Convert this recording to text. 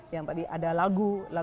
yang tadi ada lagu